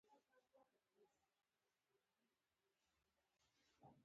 دریمه برخه د مخابراتي اړیکو سیستم دی.